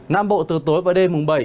nam bộ từ tối và đêm mùng bảy